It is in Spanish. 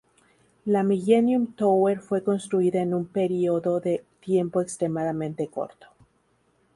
La Millennium Tower fue construida en un período de tiempo extremadamente corto.